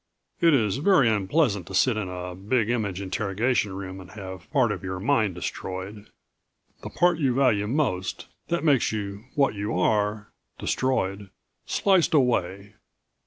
It is very unpleasant to sit in a Big Image interrogation room and have part of your mind destroyed. The part you value most, that makes you what you are destroyed, sliced away.